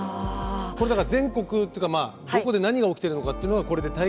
これだから全国っていうかどこで何が起きてるのかっていうのがこれで体感できるってことですよね。